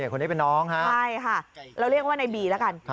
คนนี้เป็นน้องฮะใช่ค่ะเราเรียกว่าในบีแล้วกัน